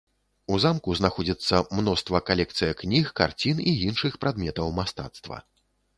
У замку знаходзіцца мноства калекцыя кніг, карцін і іншых прадметаў мастацтва.